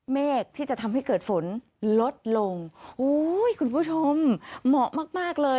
เมฆที่จะทำให้เกิดฝนลดลงอุ้ยคุณผู้ชมเหมาะมากมากเลย